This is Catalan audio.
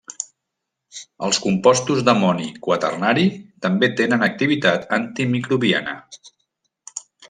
Els compostos d'amoni quaternari també tenen activitat antimicrobiana.